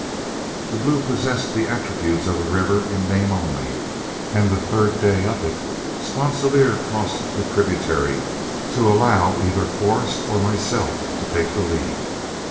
The Blue possessed the attributes of a river in name only, and the third day up it, Sponsilier crossed the tributary to allow either Forrest or myself to take the lead.